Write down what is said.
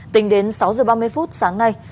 tình đến sáu giờ ba mươi phút sáng nay